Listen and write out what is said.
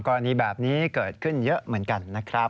กรณีแบบนี้เกิดขึ้นเยอะเหมือนกันนะครับ